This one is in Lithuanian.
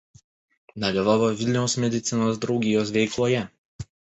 Dalyvavo Vilniaus medicinos draugijos veikloje.